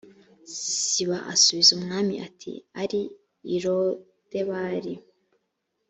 siba asubiza umwami ati ari i lodebari